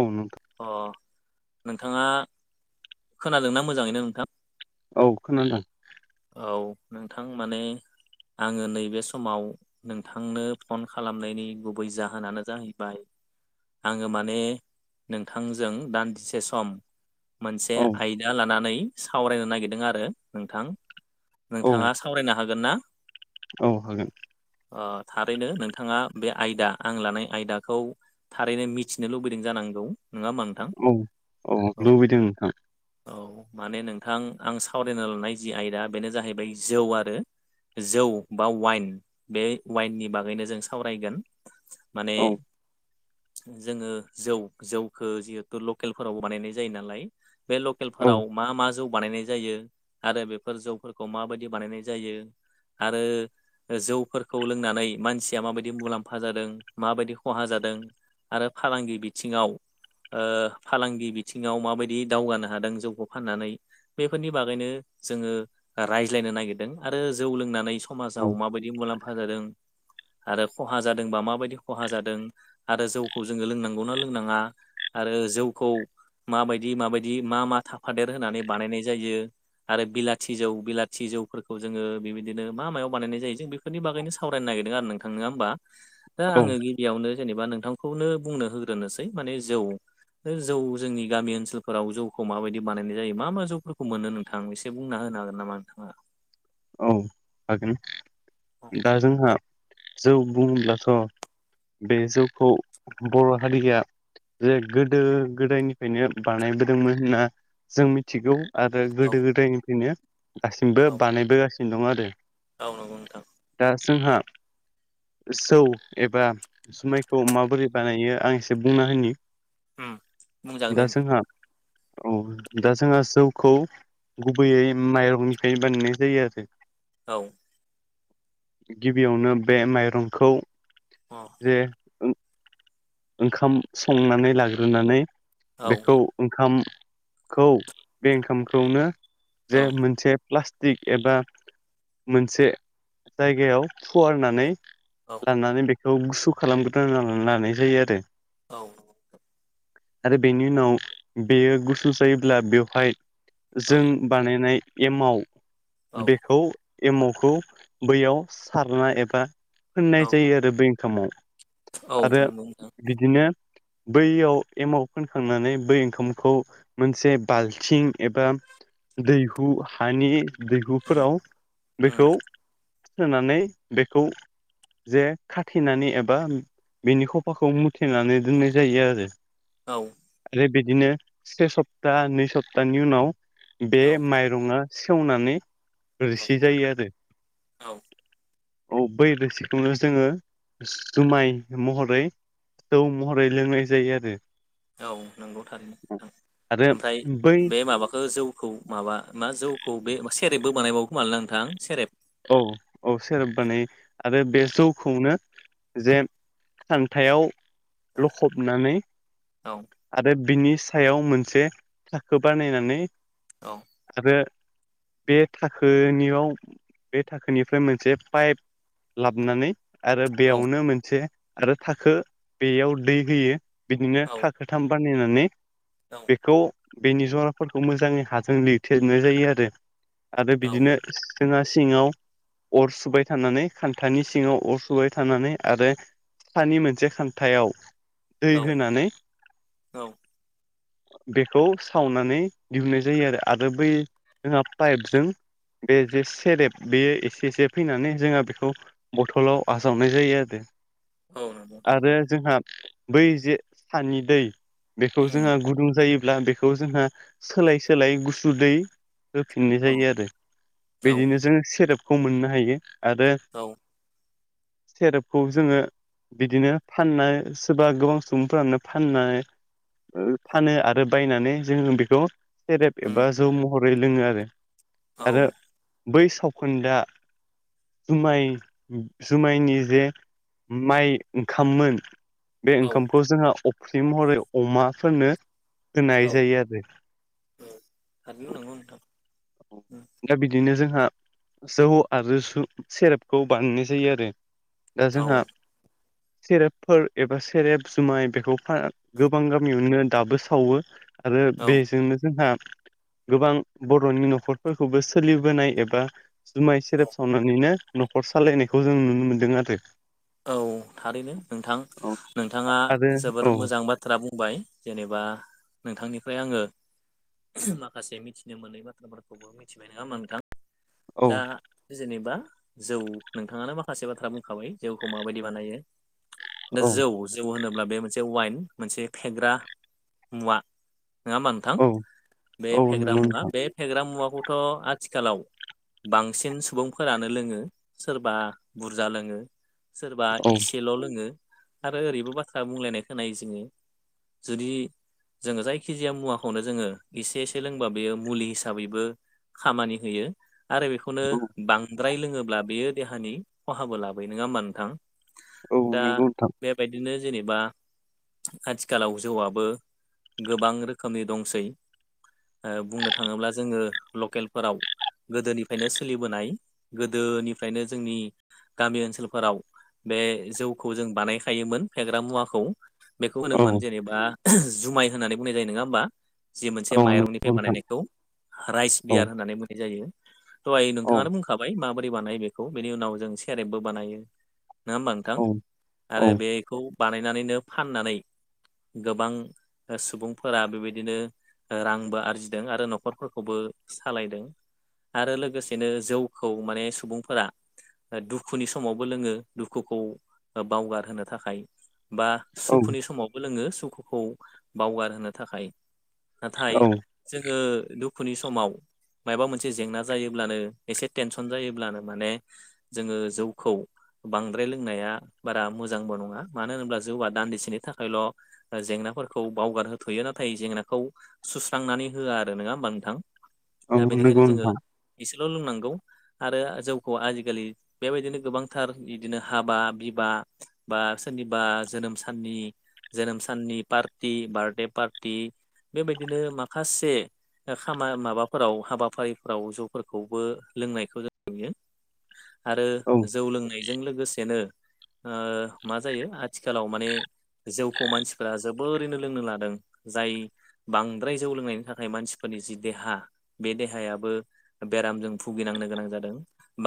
औ नोंथां अ नोंथाङा खोनादोंना मोजाङैनो नोंथां औ खोनादोंं औ नोंथां माने आंङो नैबे समाव। नोंथांनो फन खालामनायनि गुबै जाहोनानो जाहैबाय। आङो माने नोंथांजों दान्दिसे सम। मोनसे औ आयदा लानानै सावरायनो नागिरदों आरो नोंथां। औ नोंथांङा सावरायनो हागोन ना। औ हागोन। थारैनो नोंथाङा बे आयदा आं लानाय आयदाखौ। थारैनो मिथिनो लुबैदों जानांगौ नङा होमबा नों औ औ लुबैदों नोंथां। औ माने नोंथां आं सावरायनो लानाय जि आयदा बेनो जाहैबाय जौ आरो। जौ बा वाइन बे वाइननि बागैनो जों सावरायगोन। माने। औ जोङो जौ जौखौ जिहेथु लकेलफोरावबो बानायनाय जायो नालाय। बे औ लकेलफोराव मा मा जौ बानायनाय जायो आरो बेफोर जौ। फोरखौ माबायदि बानायनाय जायो आरो। जौफोरखौ लोंनानै मानसिया माबायदि मुलाम्फा जादों माबायदि खहा जादों। आरो फालांगि बिथिङाव। ओ फालांगि बिथिङाव माबायदि दावगानो हादों जौखौ फाननानै बेफोरनि बागैनो जोङो रायज्लायनो नागिरदों आरो जौ लोंनानै औ समाजाव माबायदि मुलाम्फा जादों आरो खहा जादोंबा माबायदि खहा जादों आरो जौखौ जोङो लोंनांगौना लोंनाङा आरो जौखौ माबायदि माबायदि मा मा थाफादेर होनानै बानायनाय जायो आरो बिलाथि जौ बिलाथि जौफोरखौ जोङो बेबायदिनो मा मायाव बानायनाय जायो जों बेफोरनि बागैनो सावरायनो नागिरदों आरो नोंथां नोङा होमबा। दा औ आङो गिबियावनो जेनेबा नोंथांखौनो बुंनो होग्रोनोसै माने जौ जौ जोंनि गामि ओनसोलफोराव जौखौ माबायदि बानायनाय जायो मा मा जौफोरखौ मोनो नोंथां एसे बुंना हो नो हागोन नामा नोंथाङा? औ हागोन दा जोंहा जौ बुङोब्लाथ' बे जौखौ बर' हारिया जे गोदो गोदायनिफ्रायनो बानायबोदोंमोन होनना जों मिथिगौ। आरो औ गोदो गोदायनिफ्रायनो दासिमबो बानायबोगासिनो दं आरो। औ नंगौ नोंथां। दा जोंहा जौ एबा जुमायखौ माबोरै बानायो आं एसे बुंना होनि। उम बुंजागोन दे दा नोंथां जोंहा ‌ औ दा जोंहा जौखौ गुबैयै माइरंनिफ्राय बानायनाय जायो‌ आरो। औ गिबियावनो बे माइरंखौ‌ अ जे‌ ओंखाम संनानै लाग्रोनानै औ बेखौ‌ ओंखामखौ बे ओंखामखौनो औ जे मोनसे प्लास्टिक एबा मोनसे जायगायाव फुवारनानै औ लांनानै बेखौ गुसु खालामग्रोना लानाय जायो आरो। औ। आरो बेनि उनाव बेयो गुसु जायोब्ला बेवहाय औ जों बानायनाय एमाव औ बेखौ एमावखौ बैयाव सारना एबा फोननाय औ जायो आरो बै ओंखामाव। औ आरो नंगौ नोंथां। बिदिनो बैयाव एमाव फोनखांनानै बै ओंखामखौ मोनसे बाल्थिं एबा दैहु हानि उम दैहुफोराव उम बेखौ सोनानै बेखौ जे खाथेनानै एबा बिनि ख खफाखौ मुथेनानै दोननाय जायो आरो। औ आरो बिदिनो से सप्ता नै सप्तानि उनाव बे औ माय रङा सेवनानै औ रोसि जायो आरो। औ औ बै रोसिखौनो जोङो जुमाय महरै जौ महरै लोंनाय जायो आरो। औ नंगौ थारैनो नोंथां आरो ओमफ्राय बै बे माबाखौ जौ खौ माबा मा जौखौ बे सेरेब बो बानायबावो खोमालै ना नोंथां सेरेब? औ औ सेरेब बानायो आरो बे जौखौनो जे औ खान्थायाव औ लखबनानै औ आरो बिनि सायाव मोनसे थाखो बानायनानै औ। आरो बे थाखोनियाव बे थाखोनिफ्राय मोनसे पाइप लाबनानै आरो औ बेयावनो मोनसे आरो थाखो बेयाव दै होयो, बिदिनो औ थाखोथाम बानायनानै औ। खौ बेनि जराफोरखौ मोजाङै हाजों लिरथेजोबनाय जायो आरो आरो औ बिदिनो जोंहा सिङाव अर सुबाय थानानै, खान्थानि सिङाव अर सुबाय थानानै आरो सानि मोनसे खान्थायाव दै औ होनानै औ बेखौ सावनानै दिहुननाय जायो आरो। आरो बै जोंहा पाइपजों बे जे सेरेब बेयो एसे-एसे फैनानै जोंहा बेखौ बथ'लाव आजावनाय जायो आरो। औ नंगौ थारैनो आरो जोंहा बै जे सानि दै बेखौ उम जोंहा गुदुं जायोब्ला बेखौ जोंहा सोलाय-सोलाय गुसु दै होफिननाय औ जायो आरो। औ बिदिनो जोङो सेरेबखौ मोननो हायो आरो औ। सेरेबखौ जोङो बिदिनो फानना सोरबा गोबां सुबुंफोरानो फाननाय ओ फानो आरो बायनानै जोङो बेखौ सेरेब उम एबा जौ महरै लोङो आरो। औ। आरो बै सावखोन्दा जुमाय-जुमायनि जे माइ ओंखाममोन बे औ ओंखामखौ जोंहा अफ्रि महरै अमाफोरनो होनाय औ जायो आरो। थारैनो नंगौ नोंथां उम दा बिदिनो जोंहा जौ आरो [unintelligible] सेरेबखौ बानायनाय जायो आरो। दा औ जोंहा सेरेबफोर एबा सेरेब जुमाय बेखौ [unintelligible] गोबां गामियावनो दाबो सावो आरो औ बेजोंनो जोंहा गोबां बर'नि न'खरफोरखौबो सोलिबोनाय एबा जुमाय औ सेरेब सावनानैनो न'खर सालायनायखौ जों नुनो मोन्दों आरो। औ थारैनो नोंथां, नोंथाङा आरो औ जोबोर मोजां बा थ्रा बुंबाय जेनेबा नोंथांनिफ्राय आङो माखासे मिथिनो मोनै बाथ्राफोरखौबो मिथिबाय नङा होमबा नोंथां? औ दा जेनेबा जौ नोंथाङानो माखासे बाथ्रा बुंखाबाय। जौखौ माबायदि बानायो ना औ जौ जौ होनोब्ला बे मोनसे वाइन मोनसे फेग्रा मुवा नङा होनबा नोथां बे औ फेग्रा नंगौ मुवा नोंथां बे फेग्रा मुवाखौथ' आथिखालाव बांसिन सुबुंफोरानो लोङो सोरबा बुरजा लोङो। सोरबा औ इसेल' लोङो आरो ओरैबो बाथ्रा बुंलायनाय खोनायो जोङो जुदि जोङो जायखिजाया मुवाखौनो जोङो एसे-एसे लोंबा बेयो मुलि हिसाबैबो खामानि होयो। आरो बेखौनो औ बांद्राय लोङोब्ला बेयो देहानि खहाबो लाबोयो नङा होनबा नोंथां? औ दा नंगौ नोंथां बेबायदिनो जेनेबा आथिखालाव जौआबो गोबां रोखोमनि दंसै। ओ बुंनो थाङोब्ला जोङो लकेलफोराव गोदोनिफ्रायनो सोलिबोनाय गोदोनिफ्रायनो जोंनि गामि ओनसोलफोराव बे जौखौ जों बानायखायोमोन फेग्रा मुवाखौ बेखौ औ होनोमोन जेनेबा जुमाय होननानै बुंनाय जायो नङा होमबा? जि मोनसे औ नंगौ माइरंनिफ्राय नोंथां बानायनायखौ राइस औ बियार होननानै बुंनाय जायो। दहाय औ नोंथाङानो बुंखाबाय माबोरै बानायो बेखौ बेनि उनाव जों सेरेबबो बानायो। नङा होमबा नोंथां औ आरो औ बेखौ बानायनानैनो फाननानै गोबां ओ सुबुंफोरा बेबायदिनो रांबो आरजिदों आरो न'खरफोरखौबो सालायदों। आरो लोगोसेनो जौखौ माने सुबुंफोरा दुखुनि समावबो लोङो। दुखुखौ बावगारहोनो थाखाय बा औ सुखुनि समाव लोङो सुखुखौ बावगार होनोनो थाखाय। नाथाय औ जोङो दुखुनि समाव मायबा मोनसे जेंना जायोब्लानो एसे टेनसन जायोब्लानो माने जोङो जौखौ बांद्राय लोंनाया बारा मोजांबो नङा मानो होनोब्ला जौवा दान्दिसेनि थाखायल'। ओ जेंनाफोरखौ बावगारहोथ'यो नाथाय जेंनाखौ सुस्रांनानै होआ आरो नङा होमबा नोंथां? औ दा बेनिखायनो नंगौ जोङो नोंथां एसेल' लोंनांगौ आरो जौखौ आजिखालि बेबायदिनो गोबांथार बिदिनो हाबा बिबा बा सोरनिबा जोनोम साननि जोनोम साननि पार्टि बारदे पार्टि बेबायदिनो माखासे खामा माबाफोराव हाबाफारिफोराव ज'फोरखौबो लोंनायखौ जों नुयो। आरो औ जौ लोंनायजों लोगोसेनो ओ मा जायो आथिखालाव माने जौखौ मानसिफोरा जोबोरैनो लोंनो लादों जाय बांद्राय जौ लोंनायनि थाखाय मानसिफोरनि जि देहा बे देहायाबो बेरामजों भुगिनांनो गोनां जादों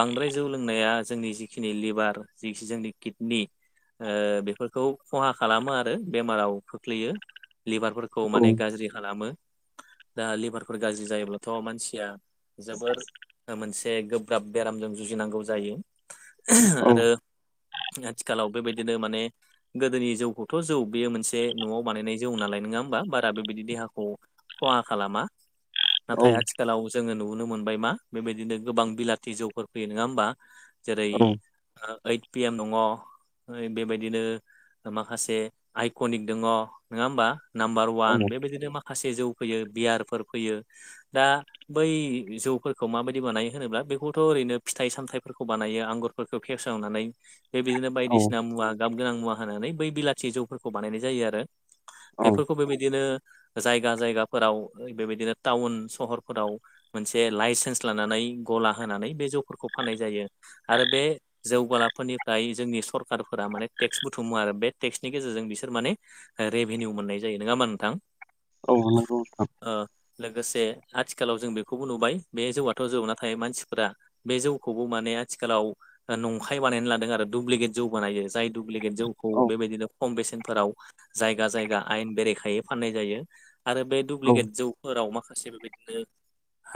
बांद्राय जौ लोंनाया जोंनि जिखि नि लिभार जिखि जोंनि किडनि ओ बेफोरखौ खहा खालामो आरो बेमाराव खोख्लैयो। लिभारफोरखौ औ माने गाज्रि खालामो। दा लिभारफोर गाज्रि जायोब्लाथ' मानसिया जोबोर मोनसे गोब्राब बेरामजों जुजिनांगौ जायो। औ आरो आथिखालाव बेबायदिनो माने गोदोनि जौखौथ' जौ बेयो मोनसे न'आव बानायनाय जौ नालाय नङा होमबा बारा बेबायदि देहाखौ खहा खालामा औ नाथाय आथिखालाव जोङो नुनो मोनबाय मा बेबायदिनो गोबां बिलाथि जौफोर फैयो नङा होमबा? जेरै ओइद पिएम नङ'। ओरै बेबायदिनो माखासे आइक'निक दङ नङा होमबा? नाम्बार औ वान बेबायदिनो माखासे जौ फैयो बियारफोर फैयो दा बै जौफोरखौ माबायदि बानायो होनोब्ला बेखौथ' ओरैनो फिथाइ सामथायाइफोरखौ बानायो आंगुर फोरखौ फेसावनानै बेदिनो औ बायदिसिना मुवा गाब गोनां मुवा होनानै बै बिलाथि जौफोरखौ बानायनाय जायो आरो औ बेफोरखौ बेबायदिनो जायगा जायगाफोराव बेबायदिनो टाउन सहरफोराव मोनसे लाइसेन्स लानानै गला होनानै बे जौफोरखौ फाननाय जायो आरो बे जौगालाफोरनिफ्राय जोंनि सरकारफोरा माने टेक्स बुथुमो आरो बे टेक्सनि गेजेरजों बिसोर माने रेभिनिउ मोननाय जायो नोङाहोनबा नोंथां? औ नांगौ नोथां। ओ लोगोसे आथिखालाव जों बेखौबो नुबाय बे जौआथ' जौ नाथाय मानसिफोरा बे जौखौबो माने आथिखालाव नंखाय बानायनानै लादों आरो दुुब्लिकेट जौ बानायो जाय दुुब्लिकेट जौखौ औ बेबायदिनो खम बेसेनफोराव जायगा जायगा आयेन बेरेखायै फाननाय जायो। आरो बे औ दुुब्लिकेट जौफोराव माखासे बेबायदिनो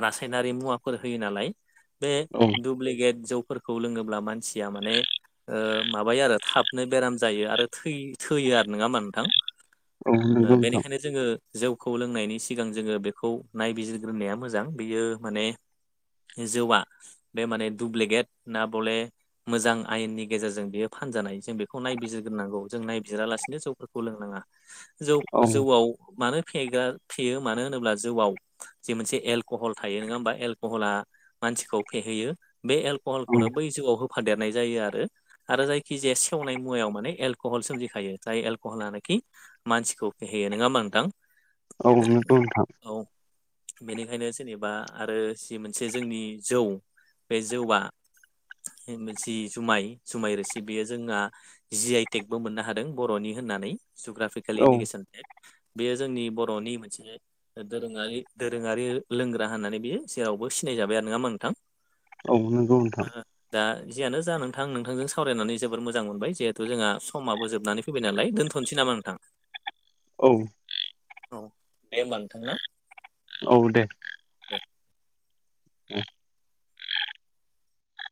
रासायनारि मुवाफोर होयो नालाय बे औ दुब्लिगेट जौफोर खौ लोङोब्ला मानसिया माने ओ माबायो आरो थाबनो बेराम जायो आरो थै थैयो आरो नङा होनबा नोंथां? ओ नंगौ नोंथां बेनिखाइनो जोङो जौखौ लोंनायनि सिगां जोङो बेखौ नायबिजिरग्रोनाया मोजां बेयो माने जौआ बे माने दुब्लिगेट ना बले मोजां आयेननि गेजेरजों बियो फानजानाय जों बेखौ नायबिजिरग्रोनांगौ जों नायबिजिरालासिनो जौफोरखौ लोंनाङा। जौ औ जौआव मानो फेग्रा फेयो मानो होनोब्ला जौआव जे मोनसे एलक'हल थायो नङा होमबा? एलक'हला मानसिखौ फेहैयो बे एलक'हलखौनो औ बै जौआव होफादेरनाय जायो आरो। आरो जायखि जाया सेवनाय मुवायाव माने एलकहल सोमजिखायो जाय एलक'हला नाखि मानसिखौ फेहेयो नङाहोनबा नोंथां? औ नंगौ नोंथां औ बेनिखायनो जेनेबा आरो जि मोनसे जोंनि जौ बे जौआ [unintelligible] जि जुमाय जुमाय रोसि बेयो जोंना जि आइ टेकबो मोननो हादों बर'नि होननानै जुग्राफिकेल औ इण्डेकेसन टेक। बेयो जोंनि बर'नि मोनसे दोरोङारि दोरोङारि लोंग्रा होननानै बियो जेरावबो सिनायजाबाय आरो नङा होनबा नोंथां? औ नोंगौ। दा जियानो जा नोंथां नोंथांजों सावरायनानै जोबोर मोजां मोनबाय जिहेथु जोंहा समाबो जोबनानैै फैबाय नालाय दोनथ नोसैनामा नोंथां? औ। औ दे ओमबा नोंथां ना। औ दे। दे [inaudible]